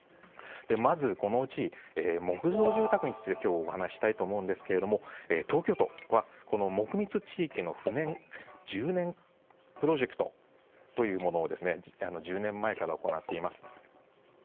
まず、このうち木造住宅について今日はお話ししたいと思いますが東京都はこの木密地域の不燃化１０年プロジェクトというものを１０年前から行っています。